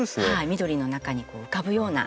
緑の中に浮かぶような。